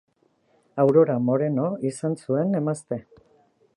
Aurora Moreno izan zuen emazte.